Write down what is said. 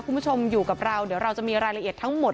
คุณผู้ชมอยู่กับเราเดี๋ยวเราจะมีรายละเอียดทั้งหมด